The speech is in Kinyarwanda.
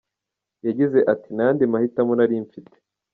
Yagize ati “Nta yandi mahitamo nari mfite.